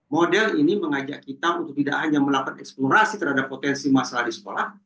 model ini mengajak kita untuk tidak hanya melakukan eksplorasi terhadap potensi masalah di sekolah